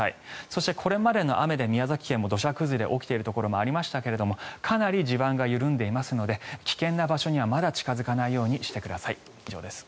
そして、これまでの雨で宮崎県も土砂崩れが起きているところもありましたがかなり地盤が緩んでいますので危険な場所にはまだ近付かないようにしてください。